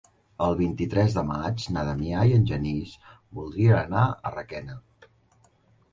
El vint-i-tres de maig na Damià i en Genís voldrien anar a Requena.